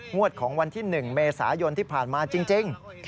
ของวันที่๑เมษายนที่ผ่านมาจริง